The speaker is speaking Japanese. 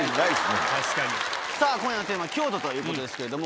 さぁ今夜のテーマは京都ということですけれども